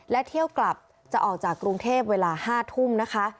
และเที่ยวกลับจะออกจากกรุงเทพเวลา๕ทุ่มนะคะ